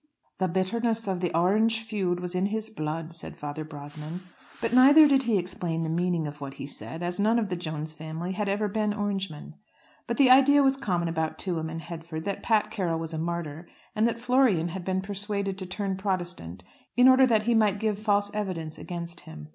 "The bittherness of the Orange feud was in his blood," said Father Brosnan. But neither did he explain the meaning of what he said, as none of the Jones family had ever been Orangemen. But the idea was common about Tuam and Headford that Pat Carroll was a martyr, and that Florian had been persuaded to turn Protestant in order that he might give false evidence against him.